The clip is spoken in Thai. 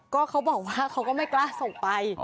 ก็เขาบอกว่าเขาก็ไม่กล้าส่งไป